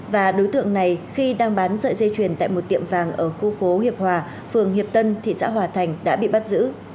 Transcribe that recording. và đối tượng này khi đang bán sợi dây chuyền tại một tiệm vàng ở khu phố hiệp hòa phường hiệp tân thị xã hòa thành đã bị bắt giữ